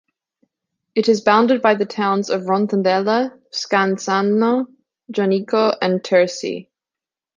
It is bounded by the towns of Rotondella, Scanzano Jonico and Tursi.